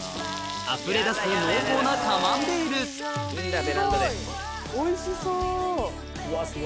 あふれ出す濃厚なカマンベールすごいおいしそう。